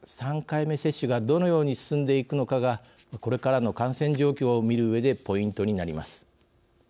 ３回目接種がどのように進んでいくのかがこれからの感染状況を見るうえでポイントになります。